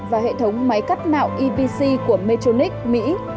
và hệ thống máy cắt nạo epc của metronic mỹ